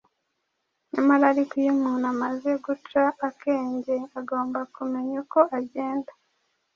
Nyamara ariko iyo umuntu amaze guca akenge agomba kumenya uko agenda